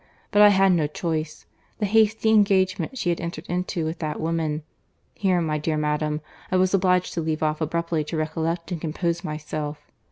—But I had no choice. The hasty engagement she had entered into with that woman—Here, my dear madam, I was obliged to leave off abruptly, to recollect and compose myself.